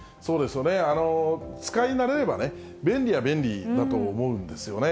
使い慣れればね、便利は便利だと思うんですよね。